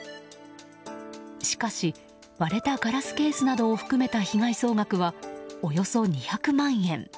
しかし割れたガラスケースなどを含めた被害総額はおよそ２００万円。